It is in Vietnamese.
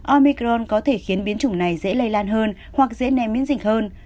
omicron có thể khiến biến chủng này dễ lây lan hơn hoặc dễ ném miễn dịch hơn